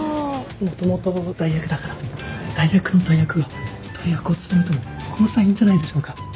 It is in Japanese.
もともと代役だから代役の代役が代役を務めてもこの際いいんじゃないでしょうか？